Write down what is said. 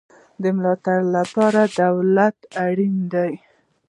د ملاتړ لپاره دولت اړین دی